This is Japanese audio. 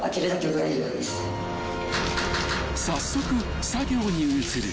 ［早速作業に移る］